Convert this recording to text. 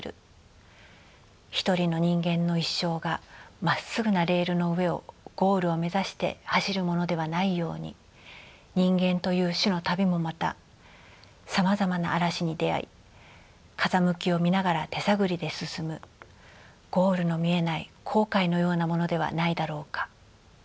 一人の人間の一生がまっすぐなレールの上をゴールを目指して走るものではないように人間という種の旅もまたさまざまな嵐に出会い風向きを見ながら手探りで進むゴールの見えない航海のようなものではないだろうか」。